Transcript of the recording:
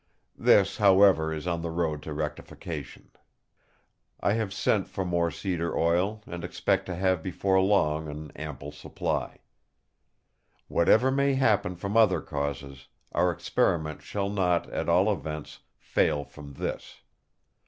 This, however, is on the road to rectification. I have sent for more cedar oil, and expect to have before long an ample supply. Whatever may happen from other causes, our experiment shall not, at all events, fail from this.